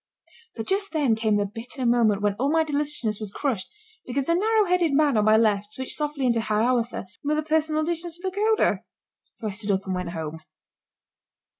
But just then came the bitter moment when all my deliciousness was crushed because the narrow headed man on my left switched softly into "Hiawatha" with a few personal additions to the coda. So I stood up and went home.